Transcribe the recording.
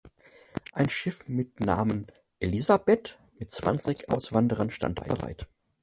Ein Schiff mit Namen "Elisabeth" mit zwanzig Auswanderern stand bereit.